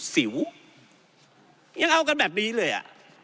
สิวยังเอากันแบบนี้เลยอ่ะ